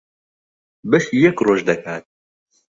بەشی یەک ڕۆژ دەکات.